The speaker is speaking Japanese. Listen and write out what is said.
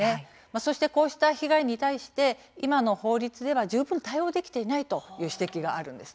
そしてこうした被害に対して今の法律では十分に対応できていないという指摘があるんです。